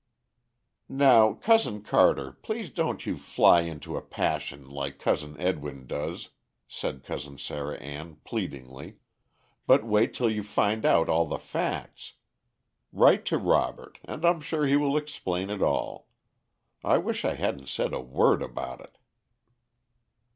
"Now, Cousin Carter, please don't you fly into a passion like Cousin Edwin does," said Cousin Sarah Ann, pleadingly, "but wait till you find out all the facts. Write to Robert, and I'm sure he will explain it all. I wish I hadn't said a word about it."